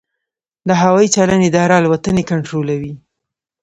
د هوايي چلند اداره الوتنې کنټرولوي